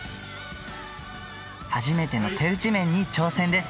初めての手打ち麺に挑戦です。